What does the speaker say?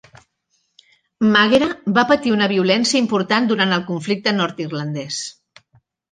Maghera va patir una violència important durant el conflicte nord-irlandès.